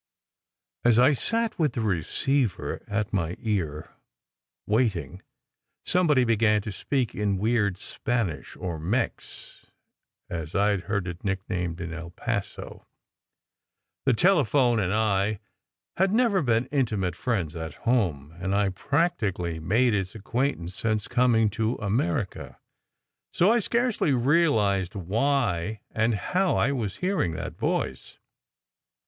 As I sat with the receiver at my ear, waiting, somebody began to talk in weird Spanish or "Mex," as I d heard it nicknamed in El Paso. The telephone and I had never been intimate friends at home, and I d practically made its acquaintance since coming to America, so I scarcely re alized why or how I was hearing that voice.